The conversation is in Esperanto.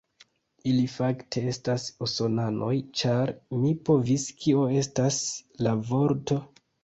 Ili fakte, estas usonanoj ĉar mi povis, kio estas la vorto?